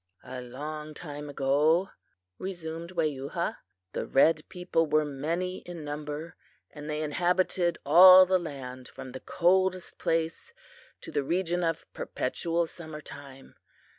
"A long time ago," resumed Weyuha, "the red people were many in number, and they inhabited all the land from the coldest place to the region of perpetual summer time.